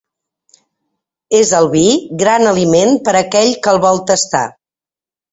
És el vi gran aliment per a aquell que el vol tastar.